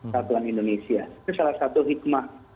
katuan indonesia ini salah satu hikmah